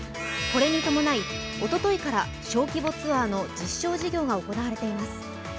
これに伴い、おとといから小規模ツアーの実証事業が行われています。